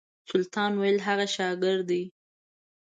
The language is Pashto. سلطان ویل هغه شاګرد دی.